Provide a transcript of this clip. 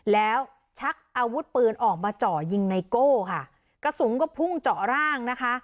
แล้วชักอาวุธปืนออกมาเจาะยิงไนโก้ค่ะกระสุนก็พุ่งเจาะร่างนะคะ